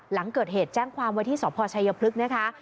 หลังเกิดเหตุแจ้งความว่าที่สพชัยพฤกษ์นะคะ